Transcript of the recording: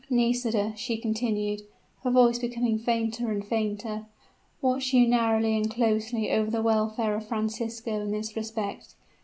Nisida,' she continued, her voice becoming fainter and fainter, 'watch you narrowly and closely over the welfare of Francisco in this respect.